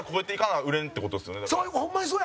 さんま：ホンマに、そうや。